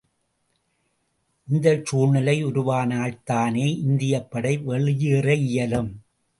இந்தச் சூழ்நிலை உருவானால்தானே இந்தியப்படை வெளியேற இயலும்!